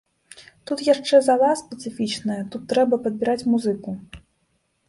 Тут яшчэ зала спецыфічная, тут трэба падбіраць музыку.